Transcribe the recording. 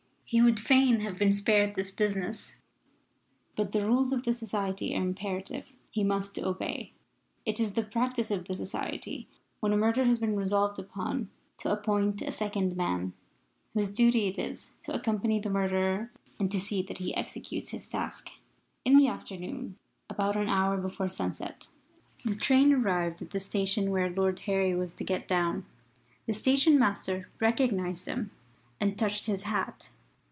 He would fain have been spared this business, but the rules of the society are imperative. He must obey. It is the practice of the society when a murder has been resolved upon to appoint a second man, whose duty it is to accompany the murderer and to see that he executes his task. In the afternoon, about an hour before sunset, the train arrived at the station where Lord Harry was to get down. The station master recognised him, and touched his hat.